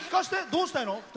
どうしたいの？